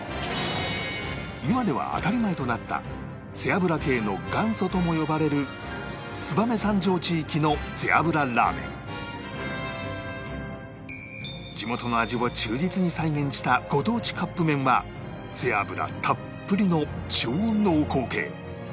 今では当たり前となった背脂系の元祖とも呼ばれる地元の味を忠実に再現したご当地カップ麺は背脂たっぷりの超濃厚系